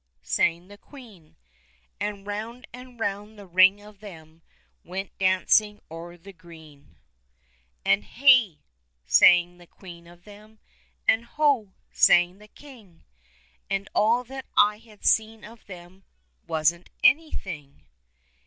sang the queen; And round and round the ring of them Went dancing o'er the green, THE LITTLE PIXY PEOPLE. 125 And Hey ! sang the queen of them. And Ho ! sang the king — And all that I had seen of them — Wasn't anything